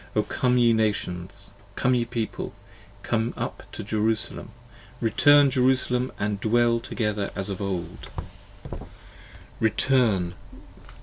O Come ye Nations, Come ye People, Come up to Jerusalem. Return, Jerusalem, & dwell together as of old: Return, 8?